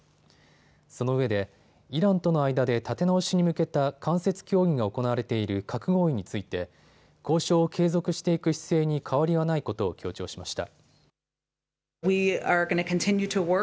そのうえでイランとの間で立て直しに向けた間接協議が行われている核合意について、交渉を継続していく姿勢に変わりはないことを強調しました。